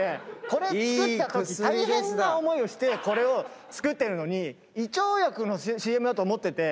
これ作ったとき大変な思いをして作ってるのに胃腸薬のＣＭだと思ってて。